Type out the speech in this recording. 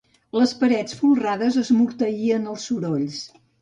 Les parets folrades esmorteïen els sorolls.